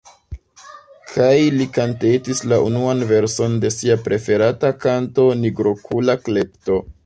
Kaj li kantetis la unuan verson de sia preferata kanto: Nigrokula Klepto.